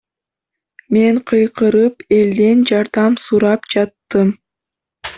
Мен кыйкырып, элден жардам сурап жаттым.